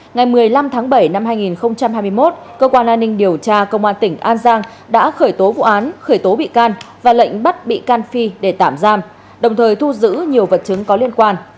ngày một mươi năm tháng bảy năm hai nghìn hai mươi một cơ quan an ninh điều tra công an tỉnh an giang đã khởi tố vụ án khởi tố bị can và lệnh bắt bị can phi để tạm giam đồng thời thu giữ nhiều vật chứng có liên quan